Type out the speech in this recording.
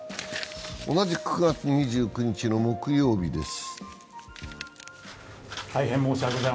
同じく９月２９日の木曜日です。